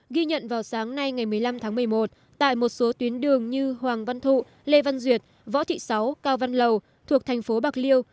ghi nhận vào sáng nay ngày một mươi năm tháng một mươi một tại một số tuyến đường như hoàng văn thụ lê văn duyệt võ thị sáu cao văn lầu thuộc thành phố bạc liêu